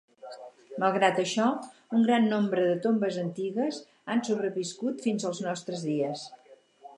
Malgrat això, un gran nombre de tombes antigues han sobreviscut fins als nostres dies.